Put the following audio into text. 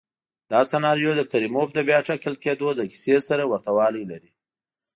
دا سناریو د کریموف د بیا ټاکل کېدو له کیسې سره ورته والی لري.